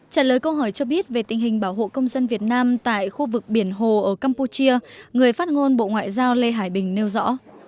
trả lời câu hỏi cho biết về tình hình bảo hộ công dân việt nam tại khu vực biển hồ ở campuchia người phát ngôn bộ ngoại giao lê hải bình nêu rõ